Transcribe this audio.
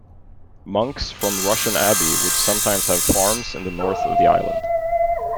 Monks from Rushen Abbey would sometimes have farms in the north of the island.